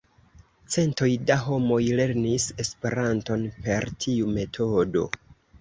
Centoj da homoj lernis Esperanton per tiu metodo.